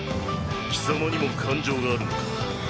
貴様にも感情があるのか。